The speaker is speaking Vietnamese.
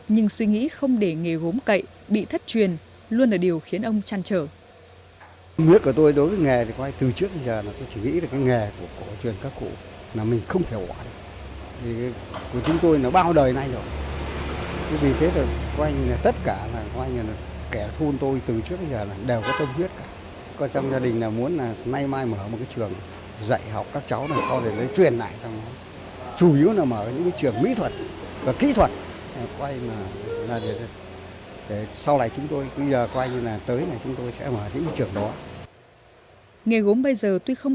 những sản phẩm mang tính thẩm mỹ cao nhưng suy nghĩ không để nghề gốm cậy bị thất truyền luôn là điều khiến ông tràn trở